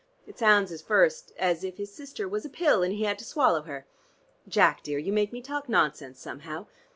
It sounds at first as if his sister was a pill, and he had to swallow her. Jack, dear, you make me talk nonsense, somehow.